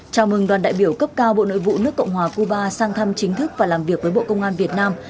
chào mừng đoàn đại biểu cấp cao bộ nội vụ nước cộng hòa cuba sang thăm chính thức và làm việc với bộ công an việt nam